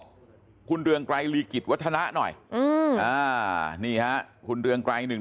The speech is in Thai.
ของคุณเรืองไกรลีกิจวัฒนะหน่อยอืมอ่านี่ฮะคุณเรืองไกรหนึ่ง